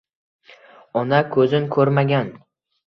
Ona ko‘zin ko‘rmagan